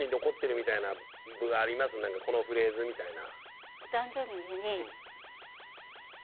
このフレーズみたいな。